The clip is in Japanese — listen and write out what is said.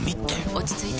落ち着いて。